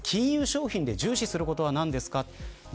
金融商品で重視することは何ですか。